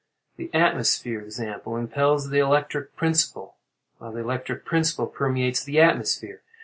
The atmosphere, for example, impels the electric principle, while the electric principle permeates the atmosphere.